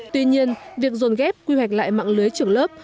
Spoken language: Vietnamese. tuy nhiên việc dồn ghép quy hoạch lại mạng lưới trường lớp